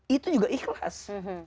itu juga ikhlas